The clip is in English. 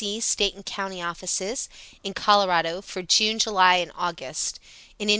(State and county offices); in Col., for June, July, August; in Ind.